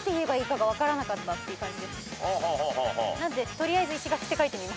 取りあえず石垣って書いてみました。